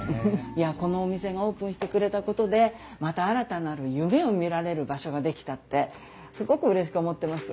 このお店がオープンしてくれたことでまた新たなる夢を見られる場所ができたってすごくうれしく思ってます。